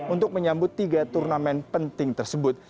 untuk menyambut tiga turnamen penting tersebut